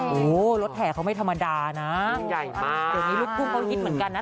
โอ้โหรถแห่เขาไม่ธรรมดานะใหญ่มากเดี๋ยวนี้ลูกทุ่งเขาฮิตเหมือนกันนะ